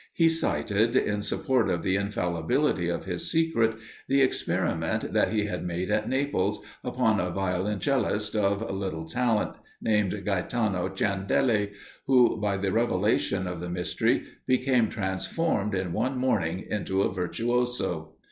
He cited, in support of the infallibility of his secret, the experiment that he had made at Naples, upon a violoncellist of little talent, named Gaetano Ciandelli, who, by the revelation of the mystery, became transformed in one morning into a virtuoso.